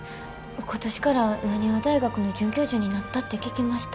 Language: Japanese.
今年から浪速大学の准教授になったって聞きました。